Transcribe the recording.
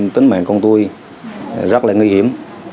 tính mạng con tôi rất là nguy hiểm